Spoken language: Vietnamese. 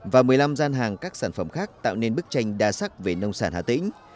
và một mươi năm gian hàng các sản phẩm khác tạo nên bức tranh đa sắc về nông sản hà tĩnh